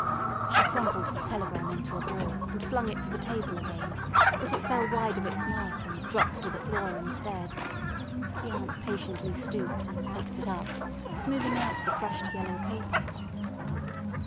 She crumpled the telegram into a ball, and flung it to the table again; but it fell wide of its mark, and dropped to the floor instead. The aunt patiently stooped and picked it up, smoothing out the crushed yellow paper.